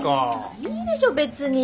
いいでしょ別に。